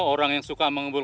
abang kacau bukan penges uno